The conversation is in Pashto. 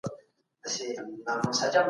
موږ بايد يو بل ته درناوی وکړو.